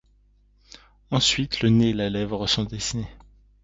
Ensuite, le nez et la lèvre sont dessinés.